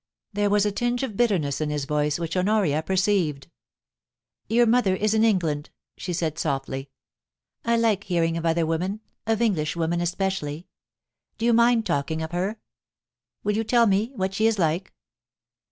There was a tinge of bitterness in his tone, which Honoria perceived *Your mother is in England,' she said softly. *I like hearing of other women — of English women especially. Do you mind talking of her ? Will you tell me what she is like?